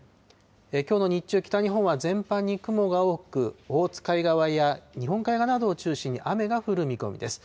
きょうの日中、北日本は全般に雲が多く、オホーツク海側や日本海側などを中心に雨が降る見込みです。